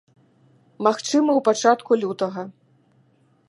Магчыма, у пачатку лютага.